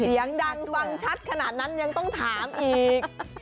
เสียงดังฟังชัดขนาดนั้นยังต้องถามอีก